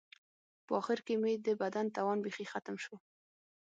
په آخر کې مې د بدن توان بیخي ختم شو.